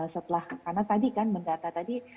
setelah karena tadi kan mendata tadi